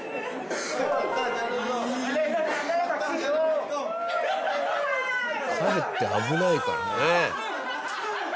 かえって危ないからね。